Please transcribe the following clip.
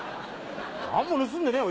何も盗んでねえよ。